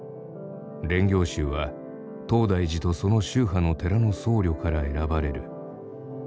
練行衆は東大寺とその宗派の寺の僧侶から選ばれる。